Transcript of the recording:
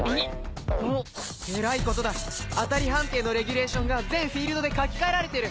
えらいことだ当たり判定のレギュレーションが全フィールドで書き換えられてる！